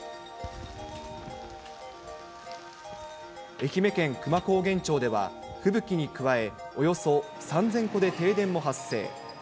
愛媛県久万高原町では、吹雪に加え、およそ３０００戸で停電も発生。